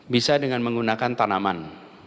bisa dengan menggunakan tanaman